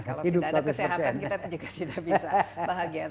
kalau tidak ada kesehatan kita juga tidak bisa bahagia